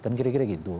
kan kira kira gitu